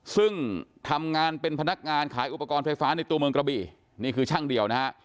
ซึ่งทำงานเป็นพนักงานขายอุปกรณ์ไฟฟ้าในตัวเมืองกระบี่นี่คือช่างเดียวนะฮะ